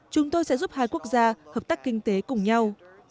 chúng tôi sẽ giúp hai quốc gia hợp tác kinh tế cùng nhau